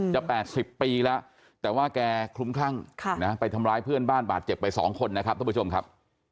๘๐ปีแล้วแต่ว่าแกคลุ้มคลั่งไปทำร้ายเพื่อนบ้านบาดเจ็บไป๒คนนะครับทุกผู้ชมครับ